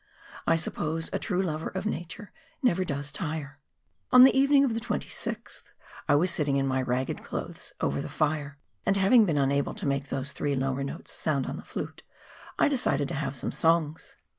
I suppose a true lover of nature never does tire. On the evening of the 26th, I was sitting in my ragged clothes over the fire, and, having been unable to make those three lower notes sound on the fiute, I decided to have some songs.